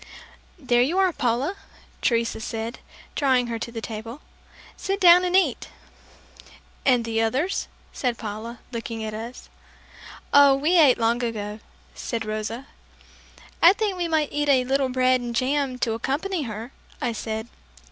"There you are, Paula," Teresa said, drawing her to the table; "Sit down and eat!" "And the others?" said Paula, looking at us. "Oh, we ate long ago," said Rosa. "I think we might eat a little bread and jam to accompany her," I said.